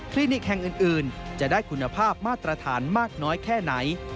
ลินิกแห่งอื่นจะได้คุณภาพมาตรฐานมากน้อยแค่ไหน